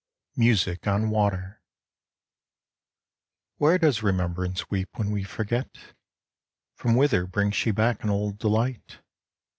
MUSIC ON WATER Where does Remembrance weep when we forget ? From whither brings she back an old delight